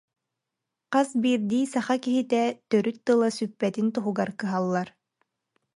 Хас биирдии саха киһитэ төрүт тыла сүппэтин туһугар кыһаллар